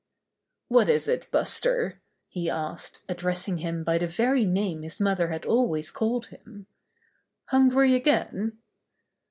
"What is it, Buster?" he asked, addressing him by the very name his mother had always called him. "Hungry again?"